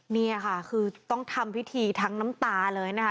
นี่ค่ะคือต้องทำพิธีทั้งน้ำตาเลยนะคะ